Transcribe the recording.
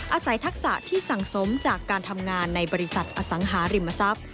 ทักษะที่สั่งสมจากการทำงานในบริษัทอสังหาริมทรัพย์